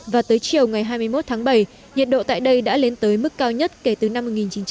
và tới chiều ngày hai mươi một tháng bảy nhiệt độ tại đây đã lên tới mức cao nhất kể từ năm một nghìn chín trăm chín mươi